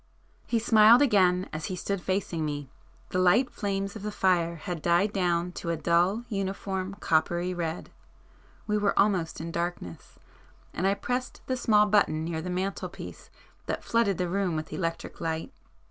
He smiled again as he stood facing me,—the light flames of the fire had died down to a dull uniform coppery red,—we were almost in darkness, and I pressed the small button near the mantelpiece that flooded the room with electric light.